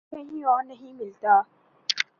کہیں اور نہیں ملتا۔